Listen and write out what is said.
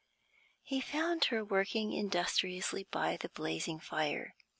He found her working industriously by the blazing fire.